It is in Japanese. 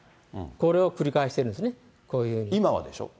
これを繰り返してるん今はでしょう。